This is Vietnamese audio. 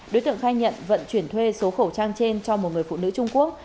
đối tượng khai nhận vận chuyển thuê số khẩu trang trên cho một người phụ nữ trung quốc